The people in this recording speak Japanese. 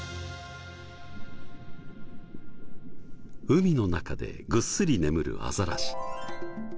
海の中でぐっすり眠るアザラシ。